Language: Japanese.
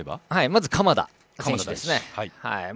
まず鎌田選手ですね。